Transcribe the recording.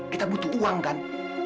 kita butuh uang kan